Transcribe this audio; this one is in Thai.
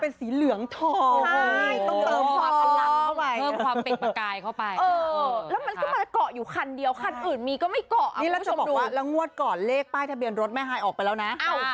นี่แล้วจะบอกว่างวดก่อนเลขป้ายทะเบียนรถแม่ไฮนออกไปแล้วนะ